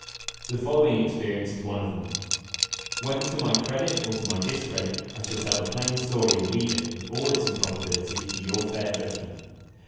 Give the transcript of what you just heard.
The follow ing experience is one of them. Whether to my credit or to my discredit, I shall tell the plain story and leave it, with all its im probability, to your fair judgment.